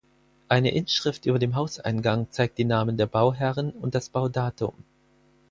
Eine Inschrift über dem Hauseingang zeigt die Namen der Bauherren und das Baudatum.